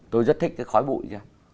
tôi rất thích cái khói bụi kia